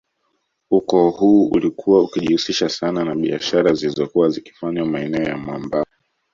Ukoo huu ulikuwa ukijihusisha sana na biashara zilizokuwa zikifanywa maeneo ya mwambao